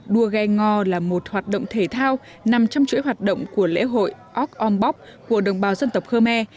đua ghe ngò là một hoạt động thể thao nằm trong chuỗi hoạt động của lễ hội ok on bok của đồng bào dân tộc khmer